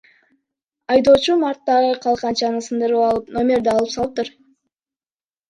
Айдоочум арттагы калканчаны сындырып алып, номерди алып салыптыр.